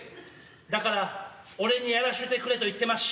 だから俺にやらせてくれ」と言ってましゅ。